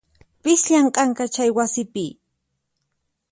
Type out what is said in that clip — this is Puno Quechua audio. Pis llamk'anqa yachaywasipi?